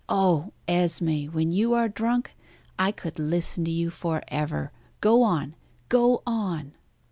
Oh! Esmé, when you are drunk, I could listen to you for ever. Go on go on!"